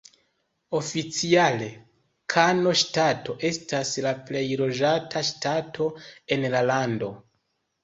Oficiale, Kano Ŝtato estas la plej loĝata ŝtato en la lando.